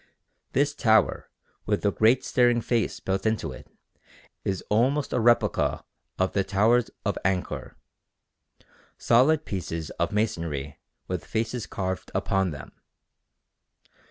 This tower with the great staring face built into it is almost a replica of the towers of Angkor, solid pieces of masonry with faces carved upon them.